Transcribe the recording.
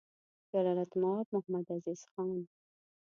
جلالتمآب محمدعزیز خان: